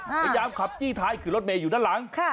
พยายามขับจี้ท้ายคือรถเมย์อยู่ด้านหลัง